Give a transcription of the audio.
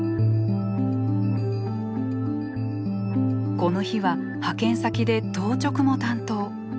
この日は派遣先で当直も担当。